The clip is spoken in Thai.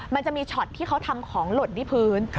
มันจะมีช็อตที่เขาทำของหล่นที่พื้น